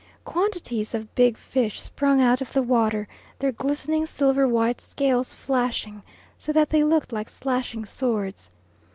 Quantities of big fish sprung out of the water, their glistening silver white scales flashing so that they look like slashing swords.